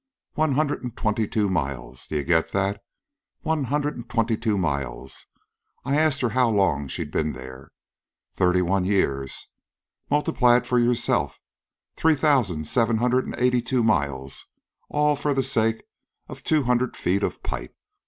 One hundred an' twenty two miles. D'ye get that? One hundred and twenty two miles! I asked her how long she'd been there. Thirty one years. Multiply it for yourself. Three thousan', seven hundred an' eighty two miles all for the sake of two hundred feet of pipe.